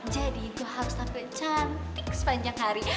jadi gue harus tampil cantik sepanjang hari